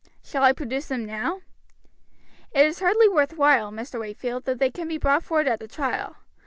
Shall I produce them now?" "It is hardly worth while, Mr. Wakefield, though they can be brought forward at the trial.